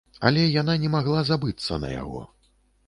Але яна не магла забыцца на яго.